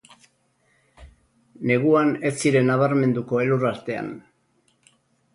Neguan ez ziren nabarmenduko elur artean.